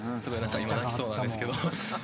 今泣きそうなんですけど。